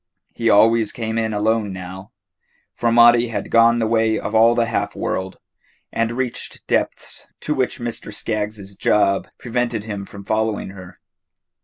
He always came in alone now, for Maudie had gone the way of all the half world, and reached depths to which Mr. Skaggs's job prevented him from following her.